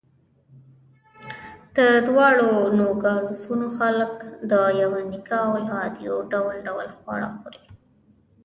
د دواړو نوګالسونو خلک د یوه نیکه اولاد، یو ډول خواړه خوري.